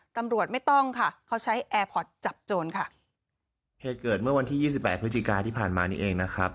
ตำรวจไม่ต้องค่ะเขาใช้แอร์พอร์ตจับโจรค่ะเหตุเกิดเมื่อวันที่ยี่สิบแปดพฤศจิกาที่ผ่านมานี้เองนะครับ